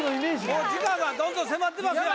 もう時間がどんどん迫ってますよ